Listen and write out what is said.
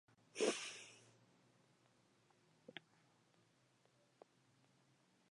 Aunque estas bolsas se distribuyeron libre de costo, se cotizan a un precio significativo.